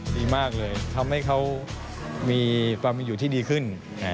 ดีมากเลยทำให้เขามีความอยู่ที่ดีขึ้น